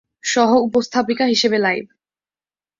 সহ-উপস্থাপিকা হিসেবে লাইভ!